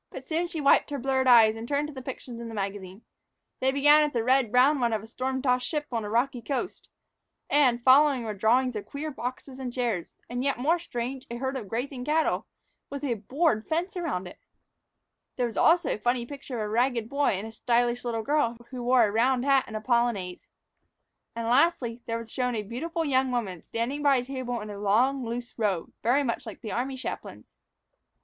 But soon she wiped her blurred eyes and turned to the pictures in the magazine. They began with a red brown one of a storm tossed ship on a rocky coast; and, following, were drawings of queer boxes and chairs and, yet more strange, of a herd of grazing cattle with a board fence around it! There was also a funny picture of a ragged boy and a stylish little girl who wore a round hat and a polonaise. And, lastly, there was shown a beautiful young woman standing by a table in a long, loose robe, very much like the army chaplain's.